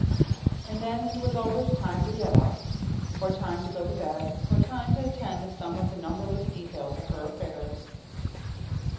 And then it was always time to get up, or time to go to bed, or time to attend to some of the numberless details of her affairs.